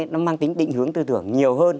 nó mang tính định hướng tư tưởng nhiều hơn